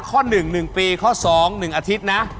ข้อ๑หนึ่งปีข้อ๒หนึ่งอาทิตย์นะ